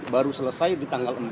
baru selesai di tanggal empat